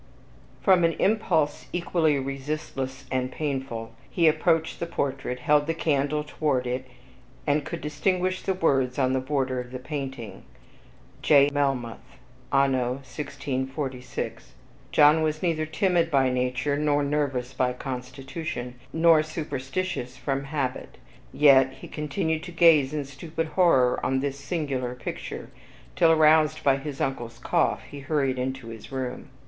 From an impulse equally resistless and painful, he approached the portrait, held the candle toward it, and could distinguish the words on the border of the painting, Jno. Melmoth, anno 1646. John was neither timid by nature, nor nervous by constitution, nor superstitious from habit, yet he continued to gaze in stupid horror on this singular picture, till, aroused by his uncle's cough, he hurried into his room.